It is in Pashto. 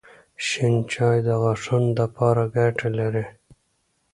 شېن چای د غاښونو دپاره ګټه لري